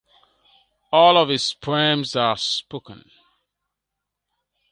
All of his poems are spoken.